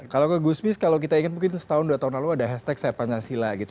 kalau ke gusmis kalau kita ingat mungkin setahun dua tahun lalu ada hashtag saya pancasila gitu